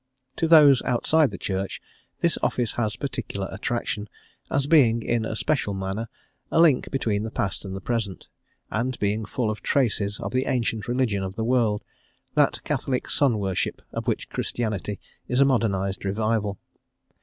To those outside the Church this office has particular attraction, as being, in a special manner, a link between the past and the present, and being full of traces of the ancient religion of the world, that catholic sun worship of which Christianity is a modernised revival.